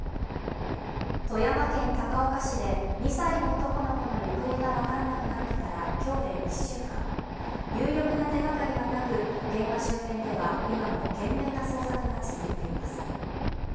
富山県高岡市で２歳の男の子の行方が分からなくなってからきょうで１週間有力な手がかりはなく現場周辺では今も懸命な捜索が続いています